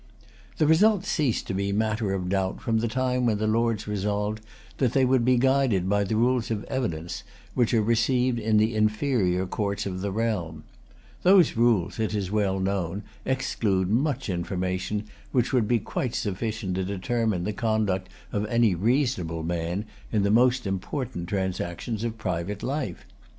The result ceased to be matter of doubt, from the time when the Lords resolved that they would be guided by the rules of evidence which are received in the inferior courts of the realm. Those rules, it is well known, exclude much information which would be quite sufficient to determine the conduct of any reasonable man, in the most important transactions of private life.